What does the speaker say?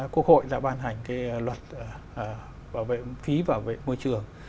quốc hội đã ban hành cái luật phí bảo vệ môi trường